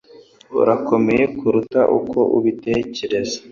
Urakomeye kuruta uko ubitekereza.